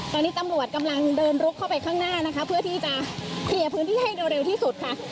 ตอนนี้ตำรวจกำลังเดินลุกเข้าไปข้างหน้านะคะเพื่อที่จะเคลียร์พื้นที่ให้เร็วที่สุดค่ะ